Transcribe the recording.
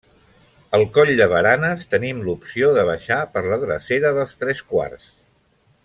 Al Coll de Baranes tenim l'opció de baixar per la drecera dels Tres Quarts.